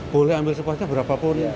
boleh ambil sepuasnya berapapun